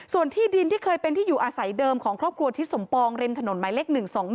ส่วนที่ดินที่เคยเป็นที่อยู่อาศัยเดิมของครอบครัวทิศสมปองริมถนนหมายเลข๑๒๑